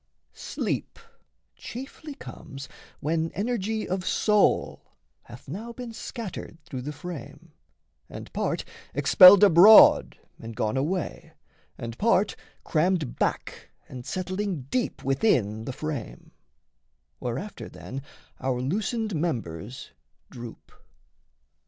Sleep chiefly comes when energy of soul Hath now been scattered through the frame, and part Expelled abroad and gone away, and part Crammed back and settling deep within the frame Whereafter then our loosened members droop.